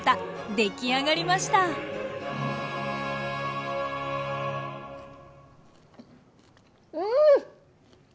出来上がりましたうん！